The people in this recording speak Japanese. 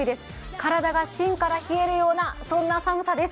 体が芯から冷えるようなそんな寒さです。